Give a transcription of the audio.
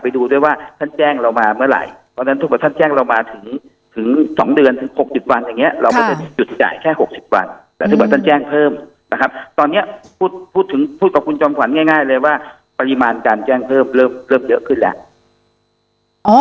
หรือว่าท่านแจ้งเพิ่มนะครับตอนนี้พูดกับคุณจอมขวัญง่ายเลยว่าปริมาณการแจ้งเพิ่มเริ่มเยอะขึ้นแล้ว